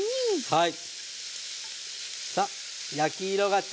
はい。